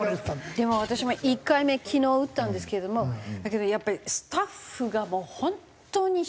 でも私も１回目昨日打ったんですけれどもだけどやっぱりスタッフがもう本当に一生懸命やってて。